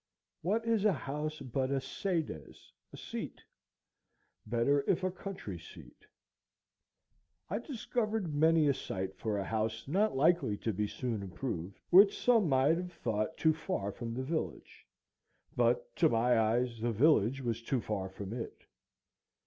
What is a house but a sedes, a seat?—better if a country seat. I discovered many a site for a house not likely to be soon improved, which some might have thought too far from the village, but to my eyes the village was too far from it.